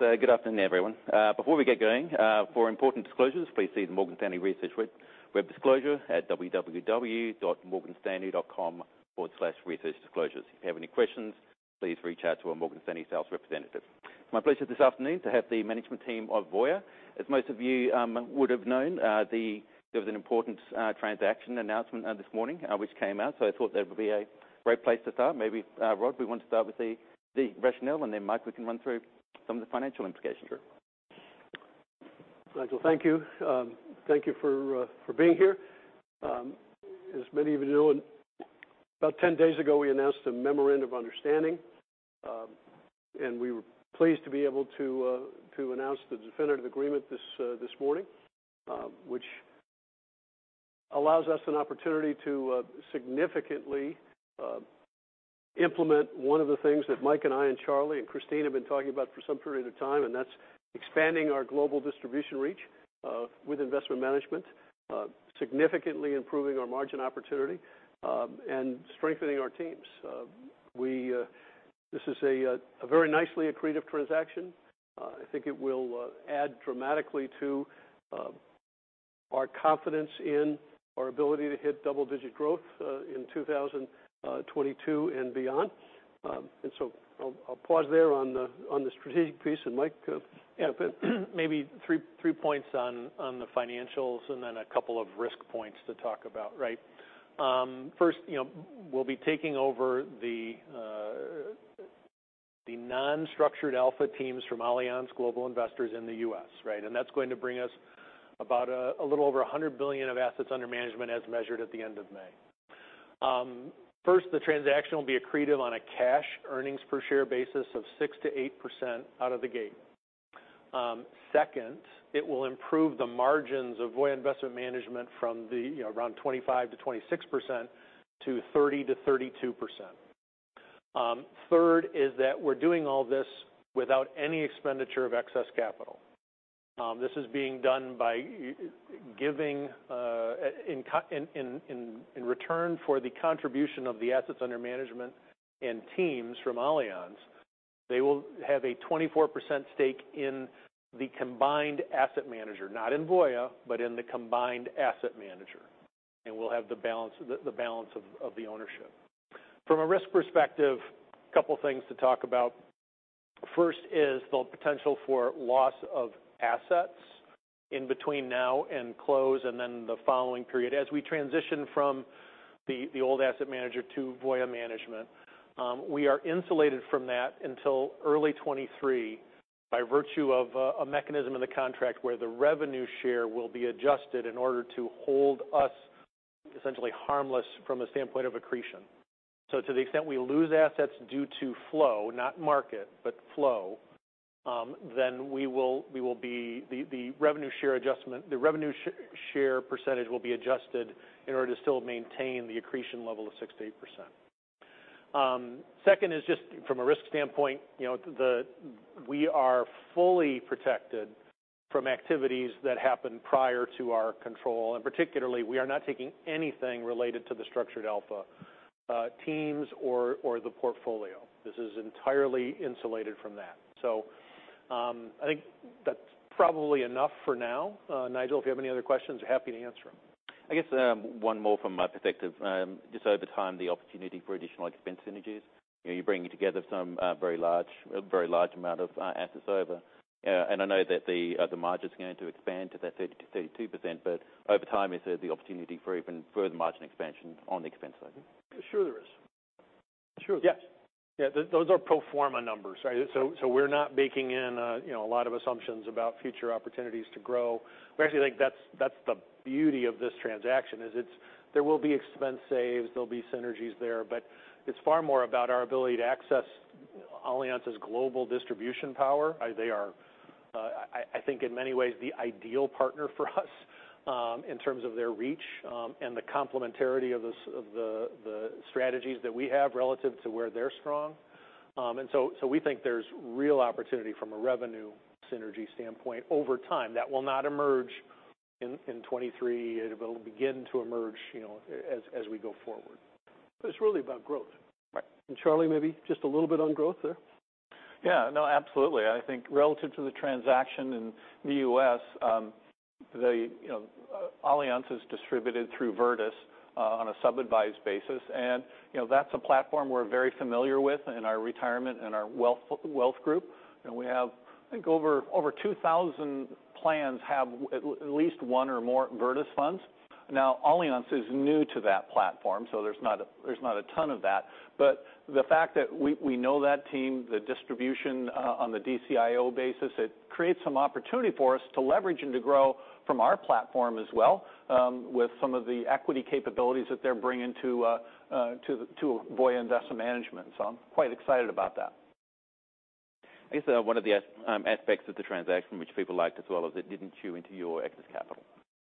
Good afternoon, everyone. Before we get going for important disclosures, please see the Morgan Stanley research web disclosure at www.morganstanley.com/researchdisclosures. If you have any questions, please reach out to a Morgan Stanley sales representative. It's my pleasure this afternoon to have the management team of Voya. As most of you would've known, there was an important transaction announcement this morning which came out. I thought that would be a great place to start. Rod, we want to start with the rationale. Mike, we can run through some of the financial implications. Nigel, thank you. Thank you for being here. As many of you know, about 10 days ago, we announced a memorandum of understanding. We were pleased to be able to announce the definitive agreement this morning, which allows us an opportunity to significantly implement one of the things that Mike and I and Charlie and Christine have been talking about for some period of time, and that's expanding our global distribution reach with Voya Investment Management, significantly improving our margin opportunity, and strengthening our teams. This is a very nicely accretive transaction. I think it will add dramatically to our confidence in our ability to hit double-digit growth in 2022 and beyond. I'll pause there on the strategic piece. Mike? Three points on the financials and a couple of risk points to talk about. First, we'll be taking over the non-structured alpha teams from Allianz Global Investors in the U.S. That's going to bring us about a little over 100 billion of assets under management as measured at the end of May. First, the transaction will be accretive on a cash earnings per share basis of 6%-8% out of the gate. Second, it will improve the margins of Voya Investment Management from around 25%-26% to 30%-32%. Third is that we're doing all this without any expenditure of excess capital. This is being done in return for the contribution of the assets under management and teams from Allianz. They will have a 24% stake in the combined asset manager, not in Voya, but in the combined asset manager. We'll have the balance of the ownership. From a risk perspective, couple things to talk about. First is the potential for loss of assets in between now and close, the following period. As we transition from the old asset manager to Voya Investment Management, we are insulated from that until early 2023 by virtue of a mechanism in the contract where the revenue share will be adjusted in order to hold us essentially harmless from a standpoint of accretion. To the extent we lose assets due to flow, not market, but flow, the revenue share percentage will be adjusted in order to still maintain the accretion level of 6%-8%. Second is just from a risk standpoint, we are fully protected from activities that happened prior to our control, particularly, we are not taking anything related to the Structured Alpha teams or the portfolio. This is entirely insulated from that. I think that's probably enough for now. Nigel, if you have any other questions, happy to answer them. I guess one more from my perspective. Just over time, the opportunity for additional expense synergies. You're bringing together some very large amount of assets over. I know that the margin's going to expand to that 30%-32%, over time, is there the opportunity for even further margin expansion on the expense side? Sure there is. Yeah. Those are pro forma numbers, right? We're not baking in a lot of assumptions about future opportunities to grow. We actually think that's the beauty of this transaction is there will be expense saves, there'll be synergies there, but it's far more about our ability to access Allianz's global distribution power. They are, I think, in many ways, the ideal partner for us in terms of their reach and the complementarity of the strategies that we have relative to where they're strong. We think there's real opportunity from a revenue synergy standpoint over time. That will not emerge in 2023. It'll begin to emerge as we go forward. It's really about growth. Right. Charlie, maybe just a little bit on growth there? Absolutely. I think relative to the transaction in the U.S., Allianz is distributed through Virtus on a sub-advised basis. That's a platform we're very familiar with in our retirement and our wealth group. We have, I think, over 2,000 plans have at least one or more Virtus funds. Allianz is new to that platform, so there's not a ton of that. The fact that we know that team, the distribution on the DCIO basis, it creates some opportunity for us to leverage and to grow from our platform as well with some of the equity capabilities that they're bringing to Voya Investment Management. I'm quite excited about that. I guess one of the aspects of the transaction which people liked as well is it didn't chew into your excess capital.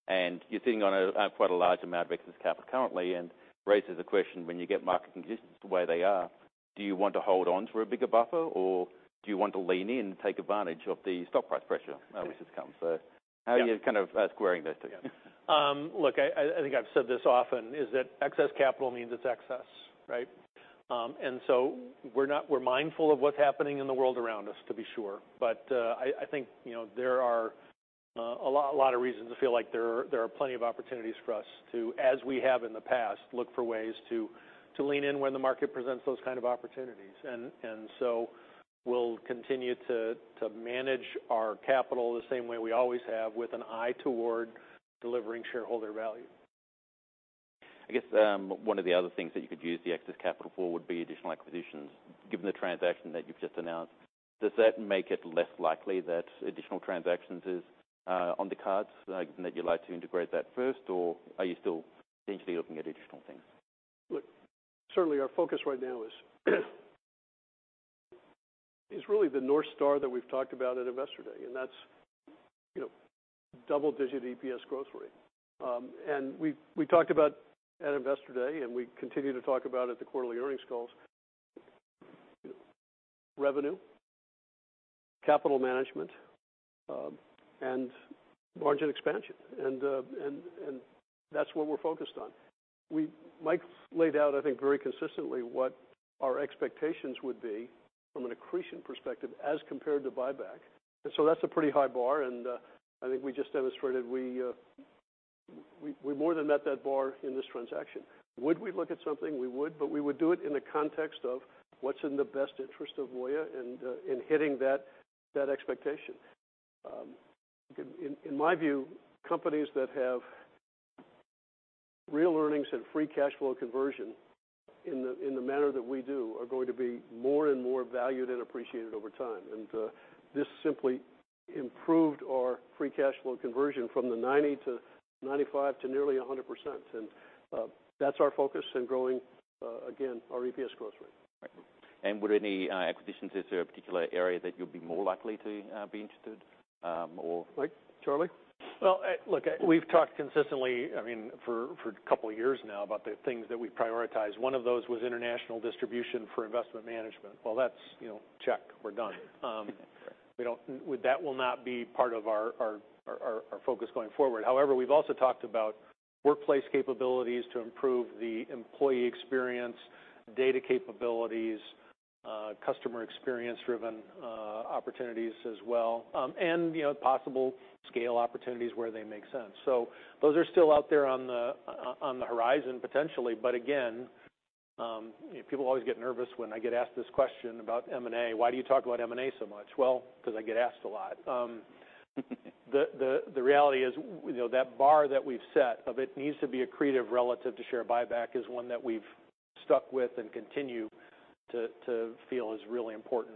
You're sitting on a quite a large amount of excess capital currently and raises a question when you get market conditions the way they are, do you want to hold on to a bigger buffer, or do you want to lean in and take advantage of the stock price pressure which has come? How are you kind of squaring those two? Look, I think I've said this often is that excess capital means it's excess, right? We're mindful of what's happening in the world around us, to be sure. I think there are a lot of reasons to feel like there are plenty of opportunities for us to, as we have in the past, look for ways to lean in when the market presents those kinds of opportunities. We'll continue to manage our capital the same way we always have, with an eye toward delivering shareholder value. I guess one of the other things that you could use the excess capital for would be additional acquisitions. Given the transaction that you've just announced, does that make it less likely that additional transactions is on the cards, that you'd like to integrate that first, or are you still potentially looking at additional things? Look, certainly our focus right now is really the North Star that we've talked about at Investor Day, and that's double-digit EPS growth rate. We talked about at Investor Day, and we continue to talk about at the quarterly earnings calls, revenue, capital management, and margin expansion. That's what we're focused on. Mike laid out, I think, very consistently what our expectations would be from an accretion perspective as compared to buyback. That's a pretty high bar, and I think we just demonstrated we more than met that bar in this transaction. Would we look at something? We would, but we would do it in the context of what's in the best interest of Voya in hitting that expectation. In my view, companies that have real earnings and free cash flow conversion in the manner that we do are going to be more and more valued and appreciated over time. This simply improved our free cash flow conversion from the 90% to 95% to nearly 100%. That's our focus in growing, again, our EPS growth rate. Right. Would any acquisitions, is there a particular area that you'd be more likely to be interested or? Mike, Charlie? Well, look, we've talked consistently for a couple of years now about the things that we prioritize. One of those was international distribution for Voya Investment Management. Well, that's checked. We're done. Right. That will not be part of our focus going forward. However, we've also talked about workplace capabilities to improve the employee experience, data capabilities, customer experience-driven opportunities as well, and possible scale opportunities where they make sense. Those are still out there on the horizon, potentially. Again, people always get nervous when I get asked this question about M&A. Why do you talk about M&A so much? Well, because I get asked a lot. The reality is that bar that we've set of it needs to be accretive relative to share buyback is one that we've stuck with and continue to feel is really important.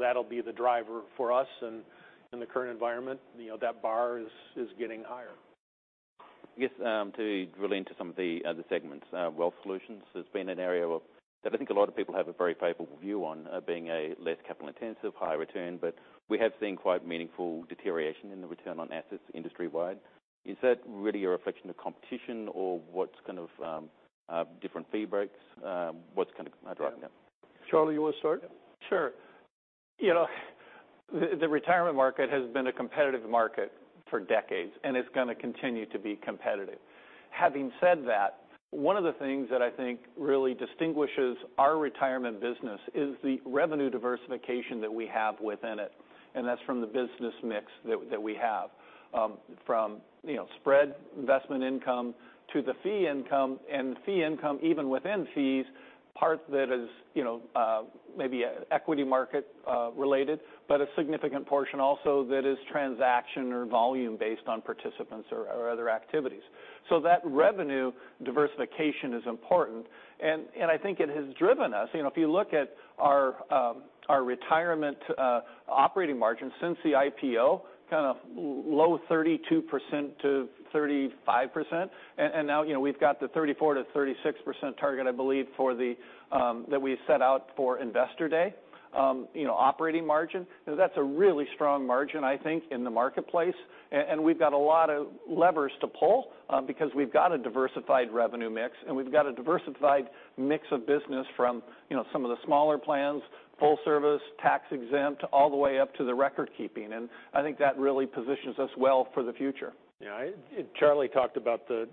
That'll be the driver for us. In the current environment, that bar is getting higher. I guess, to drill into some of the other segments. Wealth Solutions has been an area that I think a lot of people have a very favorable view on, being a less capital-intensive, high return, but we have seen quite meaningful deterioration in the return on assets industry-wide. Is that really a reflection of competition or what's kind of different fee breaks? What's kind of driving that? Charlie, you want to start? Yeah. Sure. The retirement market has been a competitive market for decades, and it's going to continue to be competitive. Having said that, one of the things that I think really distinguishes our retirement business is the revenue diversification that we have within it, and that's from the business mix that we have. From spread investment income to the fee income, and the fee income, even within fees, part that is maybe equity market related, but a significant portion also that is transaction or volume based on participants or other activities. That revenue diversification is important, and I think it has driven us. If you look at our retirement operating margin since the IPO, kind of low 32%-35%, and now we've got the 34%-36% target, I believe, that we set out for Investor Day operating margin. That's a really strong margin, I think, in the marketplace, and we've got a lot of levers to pull because we've got a diversified revenue mix and we've got a diversified mix of business from some of the smaller plans, full service, tax exempt, all the way up to the record keeping. I think that really positions us well for the future. Yeah. Charlie talked about the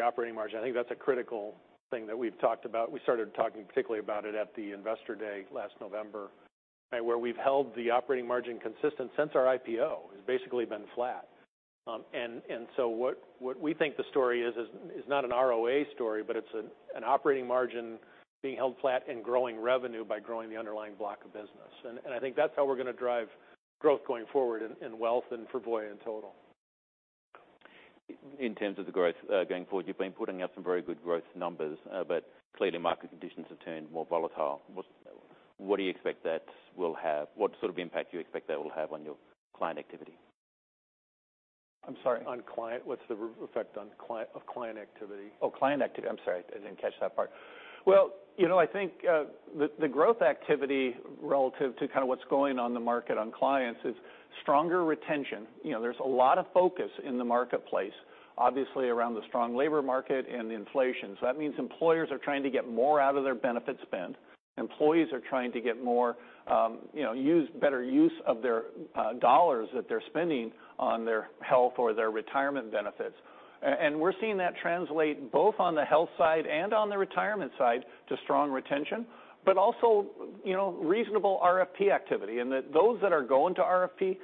operating margin. I think that's a critical thing that we've talked about. We started talking particularly about it at the Investor Day last November, where we've held the operating margin consistent since our IPO. It's basically been flat. What we think the story is not an ROA story, but it's an operating margin being held flat and growing revenue by growing the underlying block of business. I think that's how we're going to drive growth going forward in Wealth and for Voya in total. In terms of the growth going forward, you've been putting up some very good growth numbers, clearly market conditions have turned more volatile. What sort of impact do you expect that will have on your client activity? I'm sorry? On client, what's the effect of client activity? Oh, client activity. I'm sorry. I didn't catch that part. Well, I think the growth activity relative to kind of what's going on in the market on clients is stronger retention. There's a lot of focus in the marketplace, obviously, around the strong labor market and the inflation. That means employers are trying to get more out of their benefit spend. Employees are trying to get more better use of their dollars that they're spending on their health or their retirement benefits. We're seeing that translate both on the health side and on the retirement side to strong retention, but also reasonable RFP activity. Those that are going to RFP,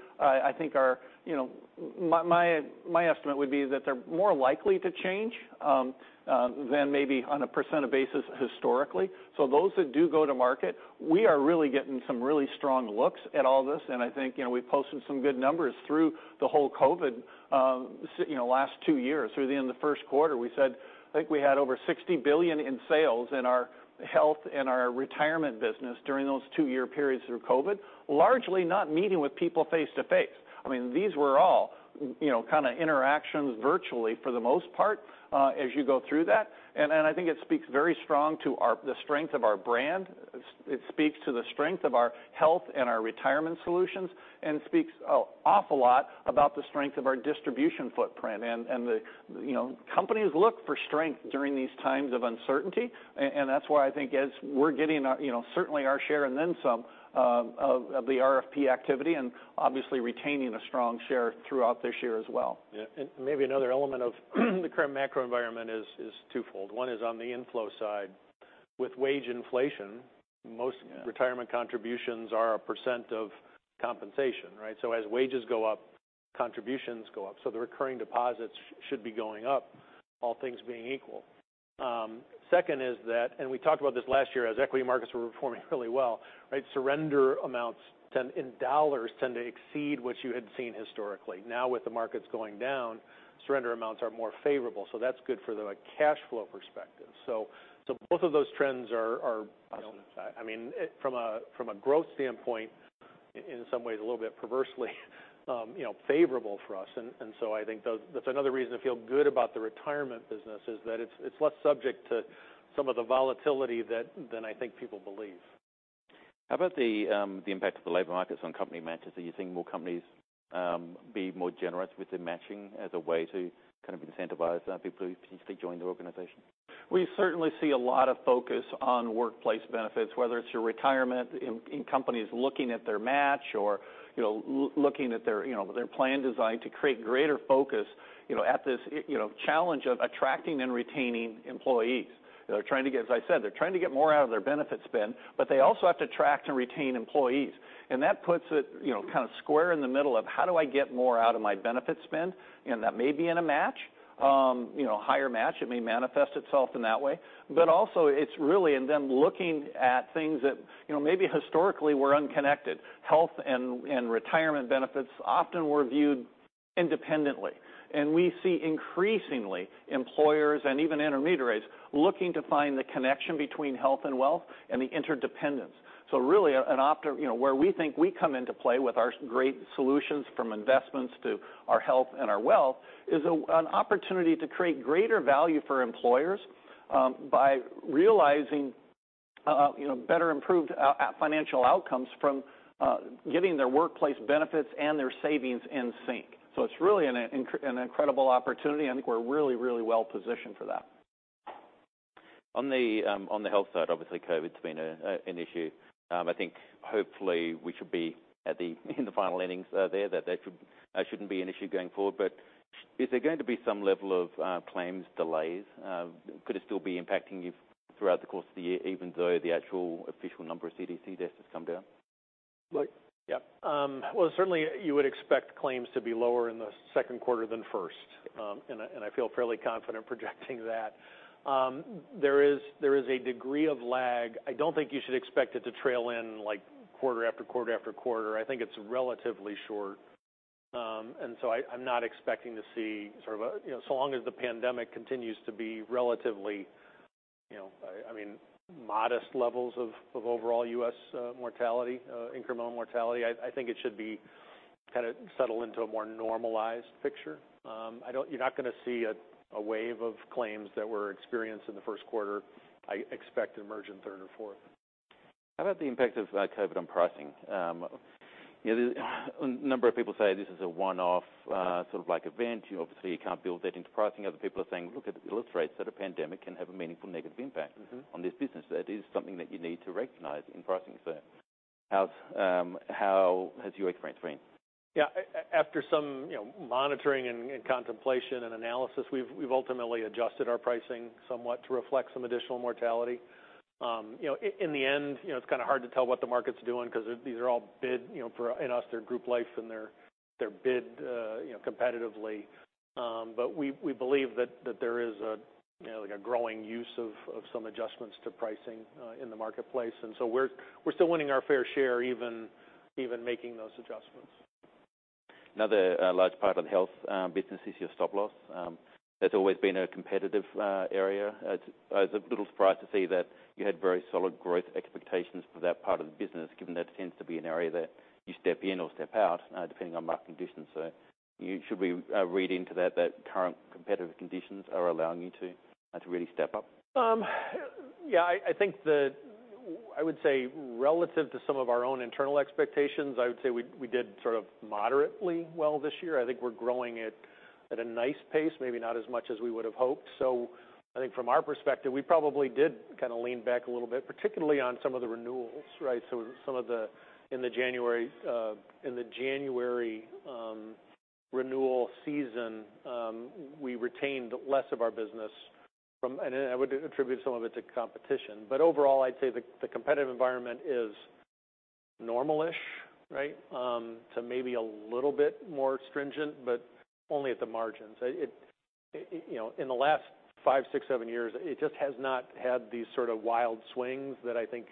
my estimate would be that they're more likely to change than maybe on a percentage basis historically. Those that do go to market, we are really getting some really strong looks at all this, and I think we've posted some good numbers through the whole COVID last two-years. Through the end of the first quarter, I think we had over $60 billion in sales in our health and our retirement business during those two-year periods through COVID, largely not meeting with people face-to-face. These were all kind of interactions virtually for the most part as you go through that. I think it speaks very strong to the strength of our brand. It speaks to the strength of our health and our retirement solutions, and speaks an awful lot about the strength of our distribution footprint. Companies look for strength during these times of uncertainty, and that's why I think as we're getting certainly our share and then some of the RFP activity, and obviously retaining a strong share throughout this year as well. Yeah. Maybe another element of the current macro environment is twofold. One is on the inflow side. With wage inflation, most retirement contributions are a % of compensation, right? As wages go up, contributions go up. The recurring deposits should be going up, all things being equal. Second is that, and we talked about this last year as equity markets were performing really well, surrender amounts in $ tend to exceed what you had seen historically. Now with the markets going down, surrender amounts are more favorable, so that's good for the cash flow perspective. Both of those trends are- Positive from a growth standpoint, in some ways, a little bit perversely favorable for us. I think that's another reason to feel good about the retirement business, is that it's less subject to some of the volatility than I think people believe. How about the impact of the labor markets on company matches? Are you seeing more companies be more generous with their matching as a way to kind of incentivize people to potentially join the organization? We certainly see a lot of focus on workplace benefits, whether it's your retirement in companies looking at their match or looking at their plan design to create greater focus at this challenge of attracting and retaining employees. As I said, they're trying to get more out of their benefit spend, but they also have to attract and retain employees. That puts it kind of square in the middle of how do I get more out of my benefit spend? That may be in a match, higher match. It may manifest itself in that way. Also, it's really in them looking at things that maybe historically were unconnected. Health and retirement benefits often were viewed independently. We see increasingly employers and even intermediaries looking to find the connection between health and wealth and the interdependence. Really, where we think we come into play with our great solutions from investments to our health and our wealth, is an opportunity to create greater value for employers by realizing better improved financial outcomes from getting their workplace benefits and their savings in sync. It's really an incredible opportunity, and I think we're really well-positioned for that. On the health side, obviously COVID's been an issue. I think hopefully we should be in the final innings there, that shouldn't be an issue going forward. Is there going to be some level of claims delays? Could it still be impacting you throughout the course of the year, even though the actual official number of CDC deaths has come down? Well, certainly you would expect claims to be lower in the second quarter than first. I feel fairly confident projecting that. There is a degree of lag. I don't think you should expect it to trail in like quarter after quarter after quarter. I think it's relatively short. I'm not expecting to see, so long as the pandemic continues to be relatively modest levels of overall U.S. incremental mortality, I think it should be kind of settled into a more normalized picture. You're not going to see a wave of claims that were experienced in the first quarter, I expect, emerge in third or fourth. How about the impact of COVID on pricing? A number of people say this is a one-off sort of event. Obviously, you can't build that into pricing. Other people are saying, look, it illustrates that a pandemic can have a meaningful negative impact on this business. That is something that you need to recognize in pricing. How has your experience been? Yeah. After some monitoring and contemplation and analysis, we've ultimately adjusted our pricing somewhat to reflect some additional mortality. In the end, it's kind of hard to tell what the market's doing because these are all bid, in us, they're group life and they're bid competitively. We believe that there is a growing use of some adjustments to pricing in the marketplace. We're still winning our fair share, even making those adjustments. Another large part of the health business is your Stop Loss. That's always been a competitive area. I was a little surprised to see that you had very solid growth expectations for that part of the business, given that tends to be an area that you step in or step out, depending on market conditions. Should we read into that current competitive conditions are allowing you to really step up? Yeah. I would say relative to some of our own internal expectations, I would say we did sort of moderately well this year. I think we're growing at a nice pace, maybe not as much as we would have hoped. I think from our perspective, we probably did kind of lean back a little bit, particularly on some of the renewals, right? In the January renewal season, we retained less of our business from. I would attribute some of it to competition. Overall, I'd say the competitive environment is normal-ish, right. To maybe a little bit more stringent, but only at the margins. In the last five, six, seven years, it just has not had these sort of wild swings that I think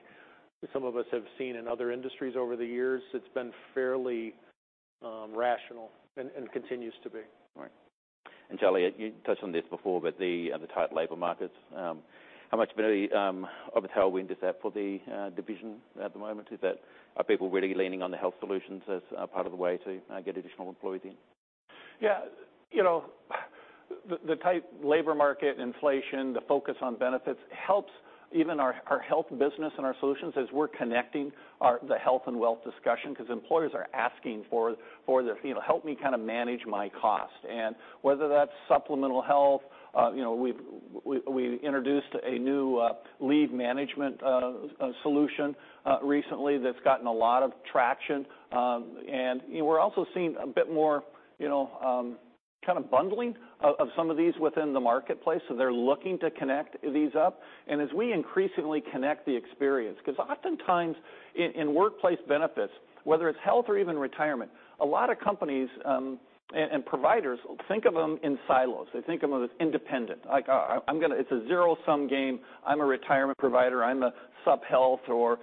some of us have seen in other industries over the years. It's been fairly rational and continues to be. Right. Charlie, you touched on this before, but the tight labor markets, how much of a tailwind is that for the division at the moment? Are people really leaning on the Health Solutions as part of the way to get additional employees in? Yeah. The tight labor market, inflation, the focus on benefits helps even our health business and our solutions as we're connecting the health and wealth discussion because employers are asking for the, "Help me kind of manage my cost." Whether that's supplemental health, we introduced a new lead management solution recently that's gotten a lot of traction. We're also seeing a bit more kind of bundling of some of these within the marketplace. They're looking to connect these up, and as we increasingly connect the experience, because oftentimes in workplace benefits, whether it's health or even retirement, a lot of companies and providers think of them in silos. They think of them as independent. Like, it's a zero-sum game. I'm a retirement provider. I'm a supplemental health or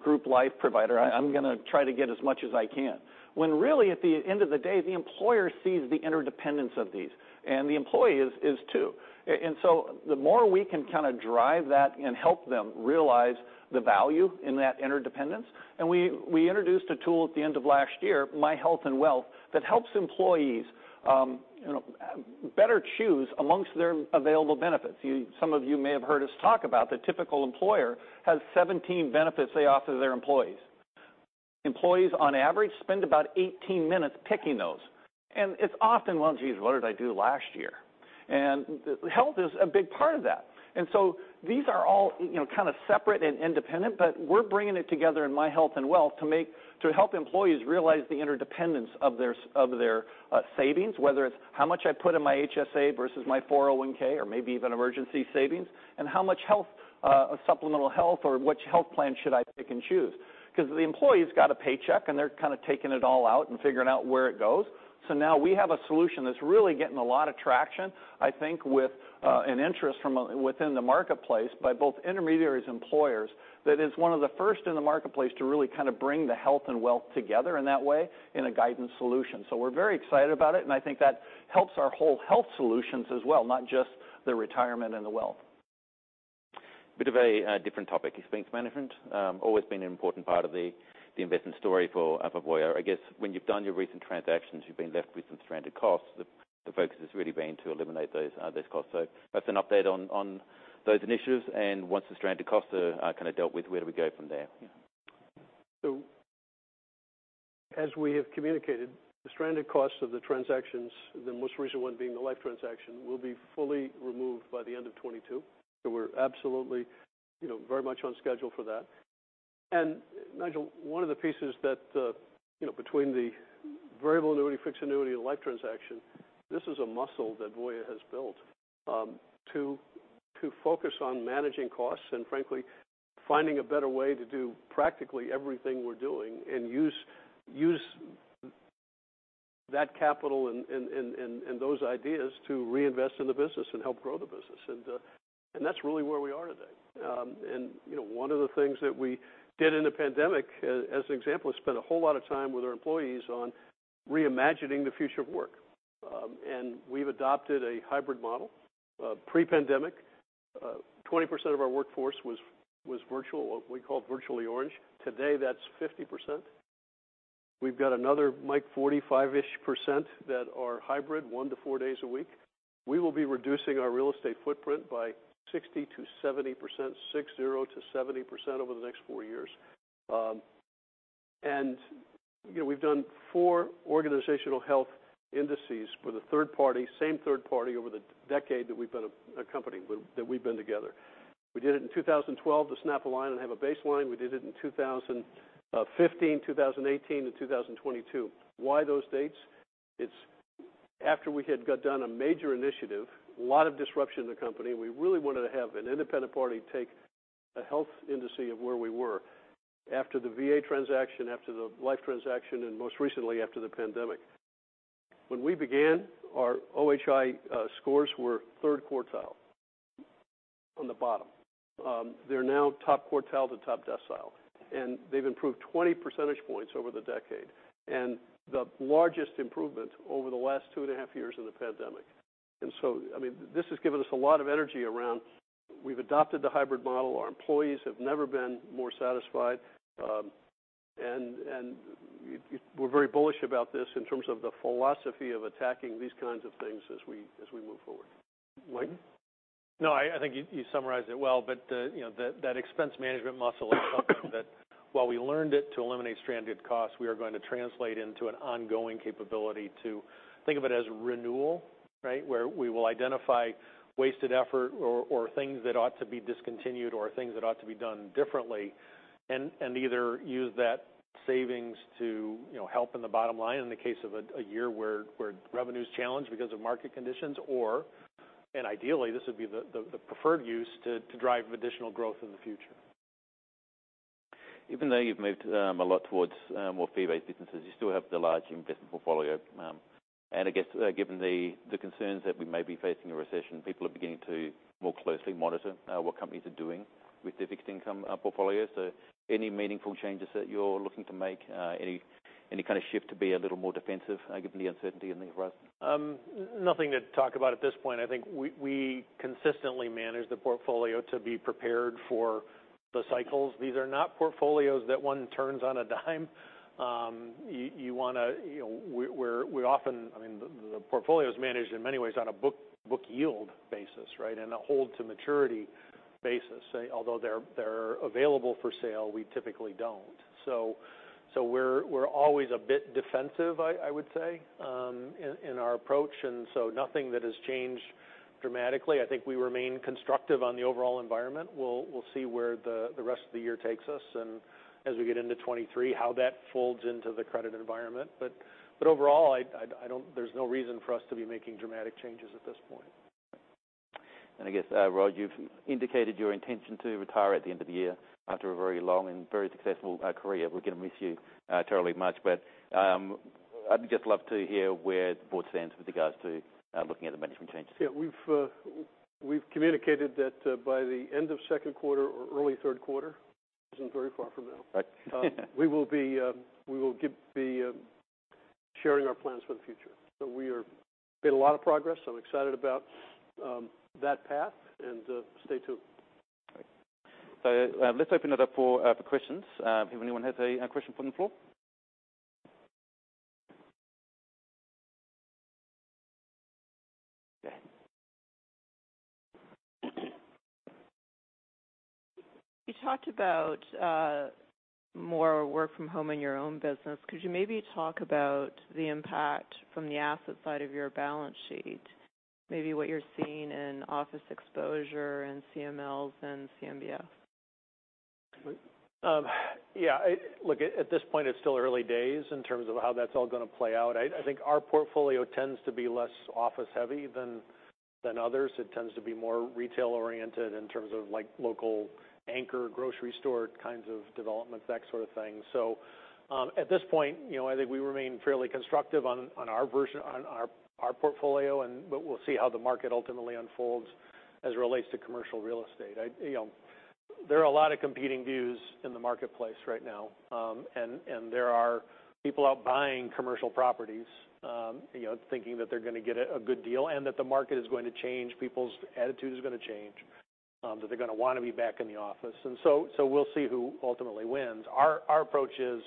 group life provider. I'm going to try to get as much as I can. Really at the end of the day, the employer sees the interdependence of these, the employee is too. The more we can kind of drive that and help them realize the value in that interdependence, we introduced a tool at the end of last year, myHealth&Wealth, that helps employees better choose amongst their available benefits. Some of you may have heard us talk about the typical employer has 17 benefits they offer their employees. Employees on average spend about 18 minutes picking those. It's often, "Well, geez, what did I do last year?" Health is a big part of that. These are all kind of separate and independent, but we're bringing it together in myHealth&Wealth to help employees realize the interdependence of their savings, whether it's how much I put in my HSA versus my 401 or maybe even emergency savings, and how much health, supplemental health or which health plan should I pick and choose. Because the employee's got a paycheck, they're kind of taking it all out and figuring out where it goes. Now we have a solution that's really getting a lot of traction, I think with an interest from within the marketplace by both intermediaries, employers, that is one of the first in the marketplace to really kind of bring the health and wealth together in that way in a guidance solution. We're very excited about it, I think that helps our whole Health Solutions as well, not just the retirement and the wealth. Bit of a different topic. Expense management, always been an important part of the investment story for Voya. I guess when you've done your recent transactions, you've been left with some stranded costs. The focus has really been to eliminate those costs. That's an update on those initiatives, once the stranded costs are kind of dealt with, where do we go from there? As we have communicated, the stranded costs of the transactions, the most recent one being the life transaction, will be fully removed by the end of 2022. We're absolutely very much on schedule for that. Nigel, one of the pieces that between the variable annuity, fixed annuity, and life transaction, this is a muscle that Voya has built, to focus on managing costs and frankly, finding a better way to do practically everything we're doing and use that capital and those ideas to reinvest in the business and help grow the business. That's really where we are today. One of the things that we did in the pandemic, as an example, is spend a whole lot of time with our employees on reimagining the future of work. We've adopted a hybrid model. Pre-pandemic, 20% of our workforce was virtual, what we call Virtually Orange. Today, that's 50%. We've got another, Mike, 45-ish% that are hybrid, one to four days a week. We will be reducing our real estate footprint by 60% to 70% over the next four years. We've done four organizational health indices with a third party, same third party over the decade that we've been a company, that we've been together. We did it in 2012 to snap a line and have a baseline. We did it in 2015, 2018, and 2022. Why those dates? It's after we had got done a major initiative, a lot of disruption in the company, and we really wanted to have an independent party take a health indice of where we were after the VA transaction, after the life transaction, and most recently after the pandemic. When we began, our OHI scores were third quartile on the bottom. They're now top quartile to top decile, and they've improved 20 percentage points over the decade. The largest improvement over the last two and a half years in the pandemic. This has given us a lot of energy around, we've adopted the hybrid model. Our employees have never been more satisfied. We're very bullish about this in terms of the philosophy of attacking these kinds of things as we move forward. Mike? No, I think you summarized it well. That expense management muscle is something that while we learned it to eliminate stranded costs, we are going to translate into an ongoing capability to think of it as renewal. Where we will identify wasted effort or things that ought to be discontinued, or things that ought to be done differently, and either use that savings to help in the bottom line in the case of a year where revenue's challenged because of market conditions, or, ideally this would be the preferred use, to drive additional growth in the future. Even though you've moved a lot towards more fee-based businesses, you still have the large investment portfolio. I guess given the concerns that we may be facing a recession, people are beginning to more closely monitor what companies are doing with their fixed income portfolios. Any meaningful changes that you're looking to make? Any kind of shift to be a little more defensive given the uncertainty on the horizon? Nothing to talk about at this point. I think we consistently manage the portfolio to be prepared for the cycles. These are not portfolios that one turns on a dime. The portfolio is managed in many ways on a book yield basis, and a hold to maturity basis. Although they're available for sale, we typically don't. We're always a bit defensive, I would say, in our approach, nothing that has changed dramatically. I think we remain constructive on the overall environment. We'll see where the rest of the year takes us, and as we get into 2023, how that folds into the credit environment. Overall, there's no reason for us to be making dramatic changes at this point. I guess, Rod, you've indicated your intention to retire at the end of the year after a very long and very successful career. We're going to miss you terribly much. I'd just love to hear where the board stands with regards to looking at the management changes. Yeah, we've communicated that by the end of second quarter or early third quarter, isn't very far from now. Right. we will be sharing our plans for the future. we are made a lot of progress. I'm excited about that path, and stay tuned. Great. let's open it up for questions. If anyone has a question from the floor? Okay. You talked about more work from home in your own business. Could you maybe talk about the impact from the asset side of your balance sheet, maybe what you're seeing in office exposure, and CMLs and CMBS? Yeah. Look, at this point, it's still early days in terms of how that's all going to play out. I think our portfolio tends to be less office heavy than others. It tends to be more retail oriented in terms of local anchor grocery store kinds of developments, that sort of thing. at this point, I think we remain fairly constructive on our portfolio, but we'll see how the market ultimately unfolds as it relates to commercial real estate. There are a lot of competing views in the marketplace right now. there are people out buying commercial properties thinking that they're going to get a good deal, and that the market is going to change, people's attitude is going to change, that they're going to want to be back in the office. we'll see who ultimately wins. Our approach is,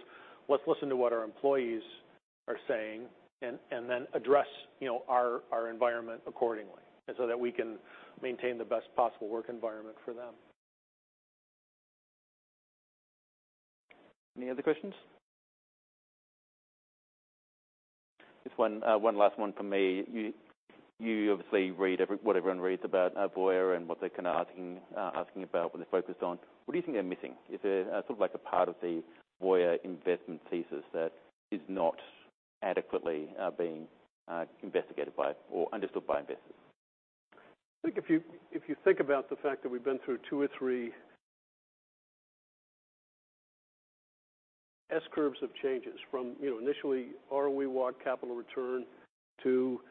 let's listen to what our employees are saying, and then address our environment accordingly so that we can maintain the best possible work environment for them. Any other questions? Just one last one from me. You obviously read what everyone reads about Voya and what they're kind of asking about, what they're focused on. What do you think they're missing? Is there sort of like a part of the Voya investment thesis that is not adequately being investigated by or understood by investors? I think if you think about the fact that we've been through two or three S curves of changes from initially, are we want capital return, to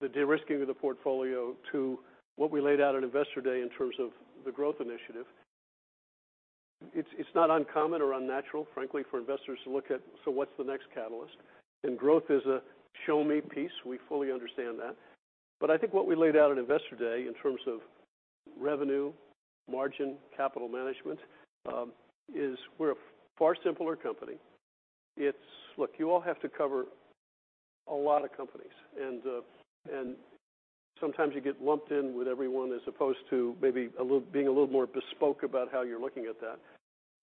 the de-risking of the portfolio, to what we laid out at Investor Day in terms of the growth initiative, it's not uncommon or unnatural, frankly, for investors to look at, so what's the next catalyst? Growth is a show-me piece. We fully understand that. I think what we laid out at Investor Day in terms of revenue, margin, capital management, is we're a far simpler company. Look, you all have to cover a lot of companies, and sometimes you get lumped in with everyone as opposed to maybe being a little more bespoke about how you're looking at that.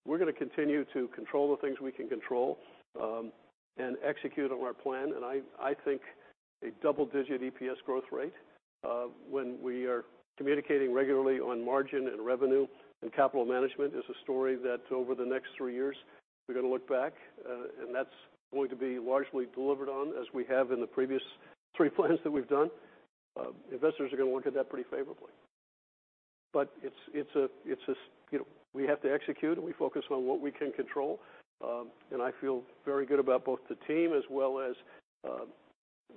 We're going to continue to control the things we can control and execute on our plan. I think a double-digit EPS growth rate, when we are communicating regularly on margin and revenue and capital management, is a story that over the next three years we're going to look back, and that's going to be largely delivered on as we have in the previous three plans that we've done. Investors are going to look at that pretty favorably. We have to execute, and we focus on what we can control. I feel very good about both the team as well as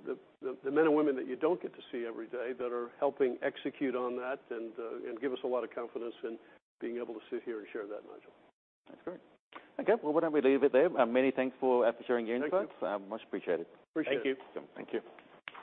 the men and women that you don't get to see every day that are helping execute on that and give us a lot of confidence in being able to sit here and share that, Nigel. That's great. Okay, well, why don't we leave it there? Many thanks for sharing your insights. Thank you. Much appreciated. Appreciate it. Thank you. Thank you.